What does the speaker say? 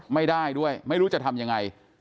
ไม่ได้ด้วยไม่รู้จะทำยังไง